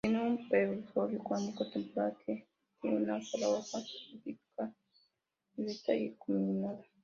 Tiene un pseudobulbo cónico tetragonal que tiene una sola hoja, apical, erecta, alargada-elíptica, acuminada.